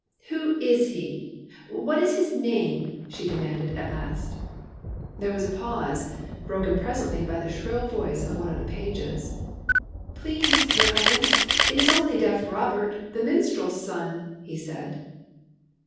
" Who is he ? What is his name ?" she de manded at last. There was a pause, broken presently by the shrill voice of one of the pages. '' Please, your Highness, it is only deaf Robert, the minstrel's son," he said.